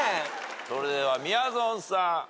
それではみやぞんさん。